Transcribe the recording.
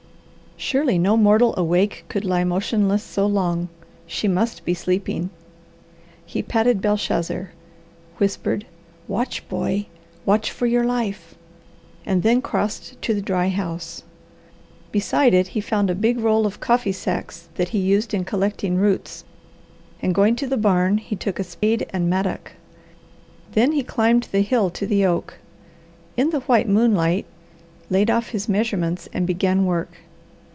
Surely no mortal awake could lie motionless so long. She must be sleeping. He patted Belshazzar, whispered, "Watch, boy, watch for your life!" and then crossed to the dry house. Beside it he found a big roll of coffee sacks that he used in collecting roots, and going to the barn, he took a spade and mattock. Then he climbed the hill to the oak; in the white moonlight laid off his measurements and began work.